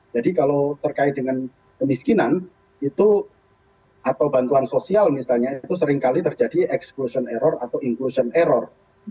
jadi kalau terkait dengan kemiskinan itu atau bantuan sosial misalnya itu seringkali terjadi exclusion error atau inclusion error